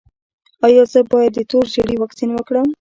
ایا زه باید د تور ژیړي واکسین وکړم؟